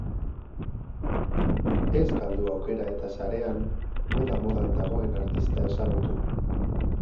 Ez galdu aukera eta sarean moda-modan dagoen artista ezagutu.